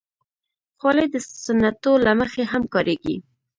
خولۍ د سنتو له مخې هم کارېږي.